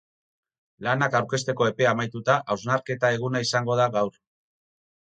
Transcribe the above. Lanak aurkezteko epea amaituta, hausnarketa eguna izango da gaur.